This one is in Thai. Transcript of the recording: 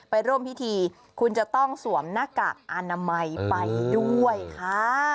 ไปร่วมพิธีคุณจะต้องสวมหน้ากากอนามัยไปด้วยค่ะ